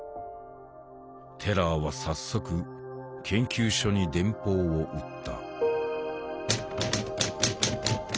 テラーは早速研究所に電報を打った。